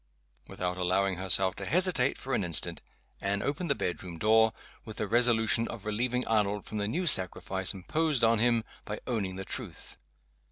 Without allowing herself to hesitate for an instant, Anne opened the bedroom door with the resolution of relieving Arnold from the new sacrifice imposed on him by owning the truth.